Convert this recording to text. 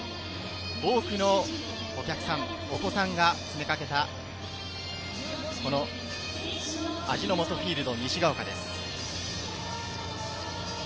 多くのお客さん、お子さんが詰めかけた、味の素フィールド西が丘です。